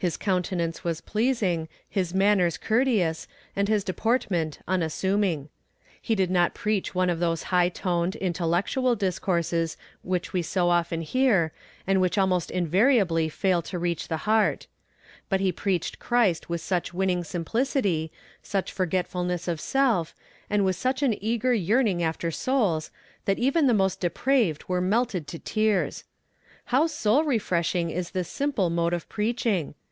His countenance was pleasing, his manners courteous, and his deportment unassuming. He did not preach one of those high toned, intellectual discourses which we so often hear, and which almost invariably fail to reach the heart. But he preached Christ with such winning simplicity, such forgetfulness of self, and with such an eager yearning after souls, that even the most depraved were melted to tears. How soul refreshing is this simple mode of preaching!